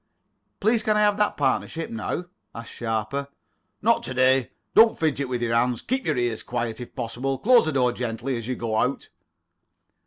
"Please can I have that partnership now?" asked Sharper. "Not to day. Don't fidget with your hands. Keep your ears quiet, if possible. Close the door gently as you go out."